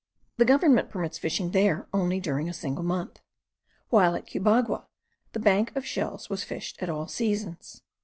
The government permits fishing there only during a single month; while at Cubagua the bank of shells was fished at all seasons.